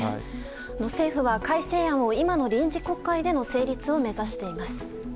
政府は改正案を今の臨時国会での成立を目指しています。